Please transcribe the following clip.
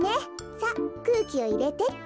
さっくうきをいれてっと。